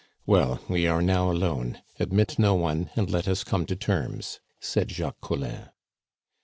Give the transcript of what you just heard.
"Well, we are now alone; admit no one, and let us come to terms," said Jacques Collin.